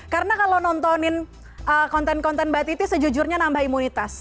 karena kalau nontonin konten konten mbak titi sejujurnya nambah imunitas